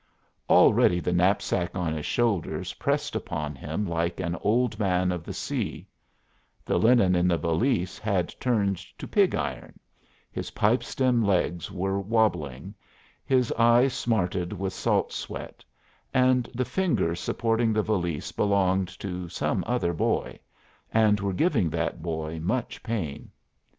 Already the knapsack on his shoulders pressed upon him like an Old Man of the Sea; the linen in the valise had turned to pig iron, his pipe stem legs were wabbling, his eyes smarted with salt sweat, and the fingers supporting the valise belonged to some other boy, and were giving that boy much pain.